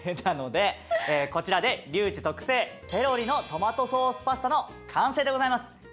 なのでこちらでリュウジ特製セロリのトマトソースパスタの完成でございます！